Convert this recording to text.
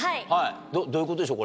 どういうことでしょう？